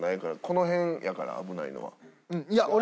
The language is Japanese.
この辺やから危ないのは。